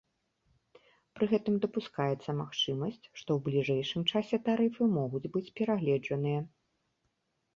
Пры гэтым дапускаецца магчымасць, што ў бліжэйшым часе тарыфы могуць быць перагледжаныя.